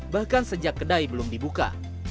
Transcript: bahkan sejak kedai belum dibuka